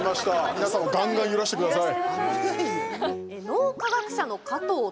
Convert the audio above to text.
皆さんもガンガン揺らしてください。